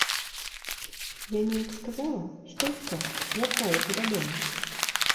Я неяк сказала, што ўсё, вяртаюся дадому.